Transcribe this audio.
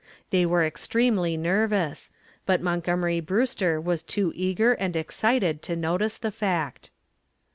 They were extremely nervous, but Montgomery Brewster was too eager and excited to notice the fact.